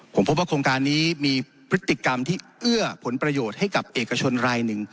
ผมพบว่าโครงการนี้มีพฤติกรรมที่เอื้อผลประโยชน์ให้กับเอกชนรายหนึ่ง